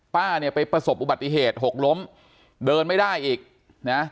ป้าเนี่ยไปประสบอุบัติเหตุหกล้มเดินไม่ได้อีกนะ